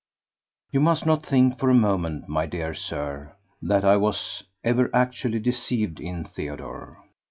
You must not think for a moment, my dear Sir, that I was ever actually deceived in Theodore.